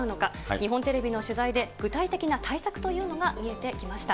日本テレビの取材で、具体的な対策というのが見えてきました。